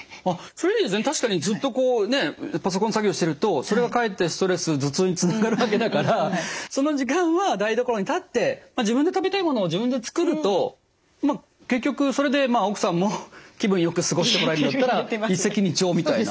確かにずっとパソコン作業してるとそれがかえってストレス頭痛につながるわけだからその時間は台所に立って自分で食べたいものを自分で作ると結局それで奥さんも気分よく過ごしてもらえるんだったら一石二鳥みたいな。